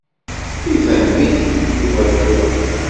Ifhem-ik-id Yuba tura.